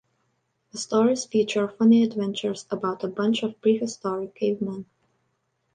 The stories feature funny adventures about a bunch of prehistoric cavemen.